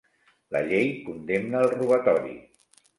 La llei condemna el robatori.